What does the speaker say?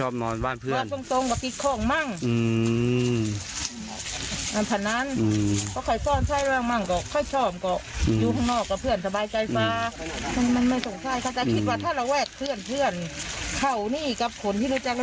ชอบนอนบ้านเพื่อน